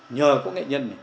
nhờ có nghệ nhân